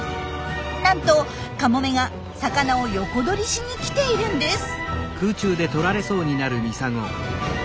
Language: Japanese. なんとカモメが魚を横取りしに来ているんです。